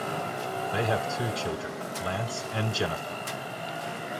They have two children, Lance and Jennifer.